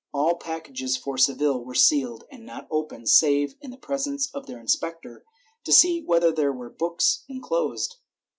All packages for Seville were sealed and not opened save in the presence of their inspector, to see whether there were books enclosed.